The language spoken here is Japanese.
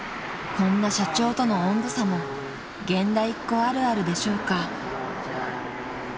［こんな社長との温度差も現代っ子あるあるでしょうか］